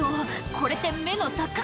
これって目の錯覚？